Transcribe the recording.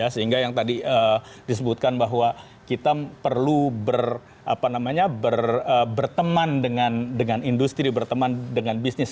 sehingga yang tadi disebutkan bahwa kita perlu berteman dengan industri berteman dengan bisnis